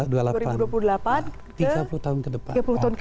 dua ribu dua puluh delapan tiga puluh tahun ke depan